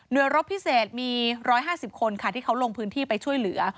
โดยรบพิเศษมี๑๕๐คนค่ะที่เขาลงพื้นที่ไปช่วยเหลือ